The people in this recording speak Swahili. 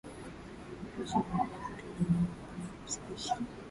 hulisha eneo lote na maelfu ya spishi